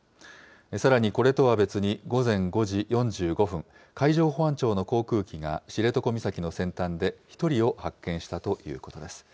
さらに、これとは別に、午前５時４５分、海上保安庁の航空機が知床岬の先端で１人を発見したということです。